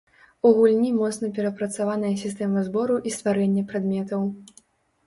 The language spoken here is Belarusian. У гульні моцна перапрацаваная сістэма збору і стварэння прадметаў.